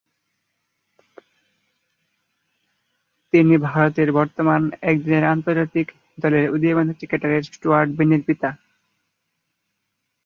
তিনি ভারতের বর্তমান একদিনের আন্তর্জাতিক দলের উদীয়মান ক্রিকেটার স্টুয়ার্ট বিনি’র পিতা।